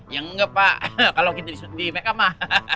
ya enggak pak kalau gitu di make up mah